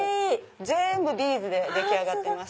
全部ビーズで出来上がってます。